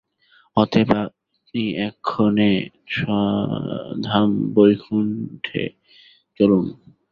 অতএব আপনি এক্ষণে স্বধাম বৈকুণ্ঠে চলুন।